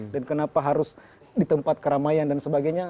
dan kenapa harus di tempat keramaian dan sebagainya